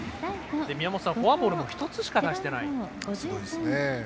宮本さん、フォアボールも１つしか出していない。